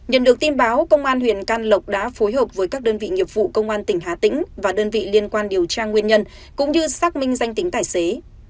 nhận được tin báo công an huyện can lộc đã phối hợp với các đơn vị nghiệp vụ công an tỉnh hà tĩnh và đơn vị liên quan điều tra nguyên nhân cũng như xác minh danh tính tài xế